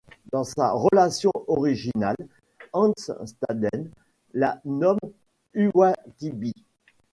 Dans sa relation originale, Hans Staden la nomme Uwattibi.